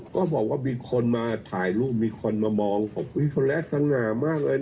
ก็บอกว่ามีคนมาถ่ายรูปมีคนมามองวิทยาลักษณะมากเลย